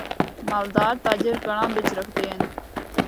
مالدار تاجر کڑاں بچ رکھدے ہن۔